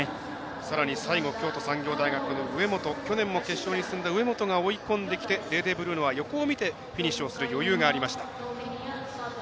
さらに京都産業大学の植本去年も植本が追い込んできてデーデーブルーノは横を見てフィニッシュする余裕がありました。